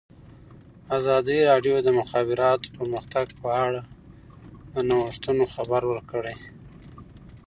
ازادي راډیو د د مخابراتو پرمختګ په اړه د نوښتونو خبر ورکړی.